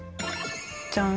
じゃん！